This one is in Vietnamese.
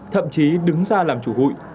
thậm chí đứng ra làm chủ hủy